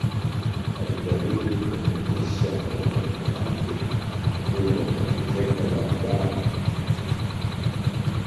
Alijaribu kuunganisha ufalme wake mkubwa kwa kujenga barabara nyingi.